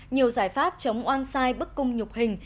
nhiều giải pháp chống oan sai bức cung nhục hình